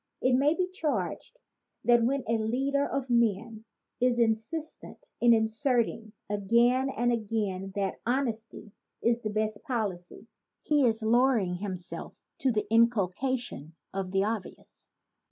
It may be charged that when a leader of men is insistent in asserting again and again that honesty is the best policy, he is low ering himself to the inculcation of the obvious.